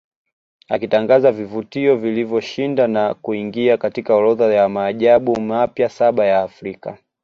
Akitangaza vivutio vilivyoshinda na kuingia katika orodha ya maajabu mapya saba ya Afrika